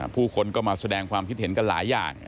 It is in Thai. ผู้คนก็มาแสดงความคิดเห็นกันหลายอย่าง